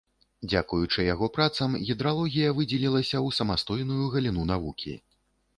Дзякуючы яго працам гідралогія выдзелілася ў самастойную галіну навукі.